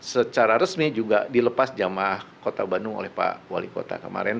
secara resmi juga dilepas jemaah kota bandung oleh pak wali kota kemarin